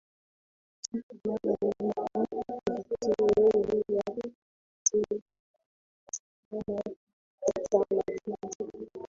chache mara nyingi vituo vya kufuatilia hupatikana tu katika majiji